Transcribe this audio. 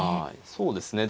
そうですね。